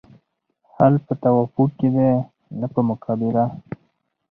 حل په توافق کې دی نه په مقابله.